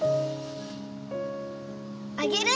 あげる！